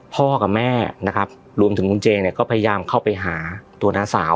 พ่อกับแม่นะครับรวมถึงคุณเจเนี่ยก็พยายามเข้าไปหาตัวน้าสาว